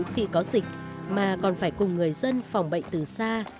chỉ sẵn sàng ứng cứu khi có dịch mà còn phải cùng người dân phòng bệnh từ xa